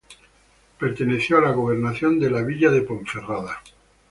Perteneció a la gobernación de la villa de Ponferrada.